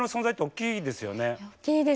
大きいですよね。